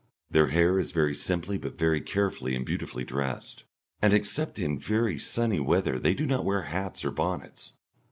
Their hair is very simply but very carefully and beautifully dressed, and except in very sunny weather they do not wear hats or bonnets.